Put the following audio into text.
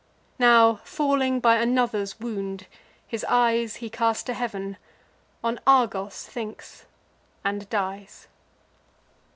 Now, falling by another's wound, his eyes He cast to heav'n, on Argos thinks, and dies.